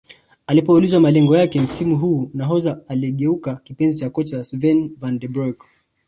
Alipoulizwa malengo yake msimu huu nahodha huyo aliyegeuka kipenzi kwa kocha Sven Vanden broeck